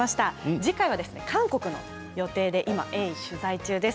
耳介は韓国の予定で今、取材中です。